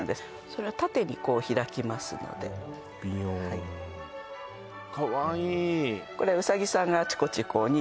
それは縦にこう開きますのでびよんかわいい